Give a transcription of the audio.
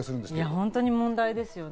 本当に問題ですね。